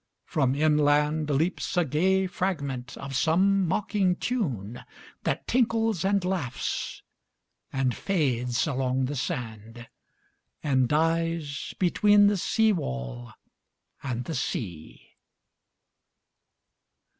From inlandLeaps a gay fragment of some mocking tune, That tinkles and laughs and fades along the sand, And dies between the seawall and the sea.